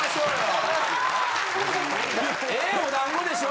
エエお団子でしょ。